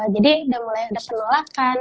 jadi sudah mulai ada penolakan